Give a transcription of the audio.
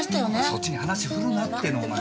そっちに話振るなってのお前は。